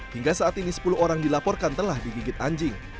hingga saat ini sepuluh orang dilaporkan telah digigit anjing